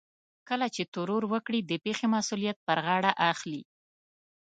کله چې ترور وکړي د پېښې مسؤليت پر غاړه اخلي.